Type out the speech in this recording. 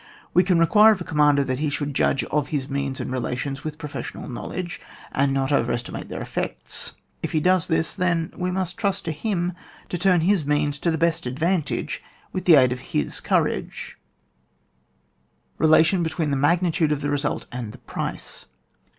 We can require of a commander that he should judge of his means and relations with professional knowledge, and not over estimate their effects; if he does this then, we must trust to him to turn hia means to the best advantage with the aid of his oouragOi Relation between the magnitude of the result and the price.